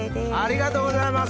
ありがとうございます。